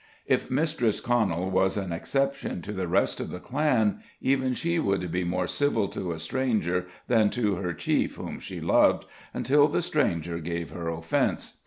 If Mistress Conal was an exception to the rest of the clan, even she would be more civil to a stranger than to her chief whom she loved until the stranger gave her offence.